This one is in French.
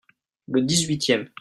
le dix-huitième.